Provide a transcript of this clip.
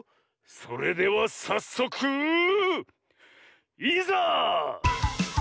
それではさっそくいざ！